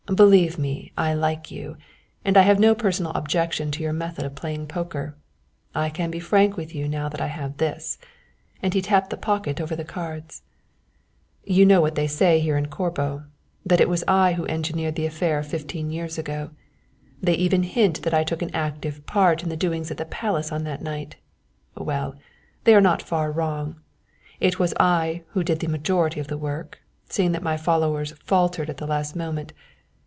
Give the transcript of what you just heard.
Believe me I like you, and I have no personal objection to your method of playing poker. I can be frank with you now that I have this," and he tapped the pocket over the cards. "You know what they say here in Corbo, that it was I who engineered the affair of fifteen years ago. They even hint that I took an active part in the doings at the palace on that night. Well, they are not far wrong. It was I who did the majority of the work, seeing that my followers faltered at the last moment.